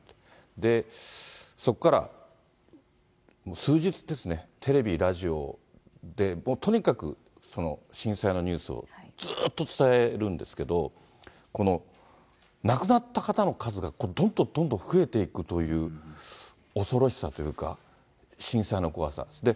で、そこからもう数日ですね、テレビ、ラジオで、とにかく震災のニュースをずーっと伝えるんですけど、亡くなった方の数がどんどんどんどん増えていくという恐ろしさというか、震災の怖さ。